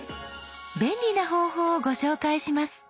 便利な方法をご紹介します。